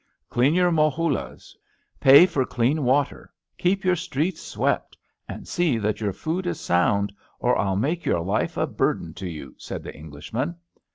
Clean your mohuUas; pay for clean water; keep your streets swept; and see that your food is sound, or I'll make your life a burden to you," said the English man.